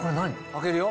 開けるよ。